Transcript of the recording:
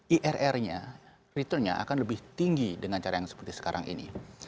irr nya returnnya akan lebih tinggi dengan cara yang seperti sekarang ini